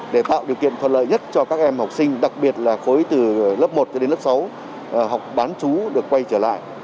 để tạo điều kiện thuận lợi nhất cho các em học sinh đặc biệt là khối từ lớp một cho đến lớp sáu học bán chú được quay trở lại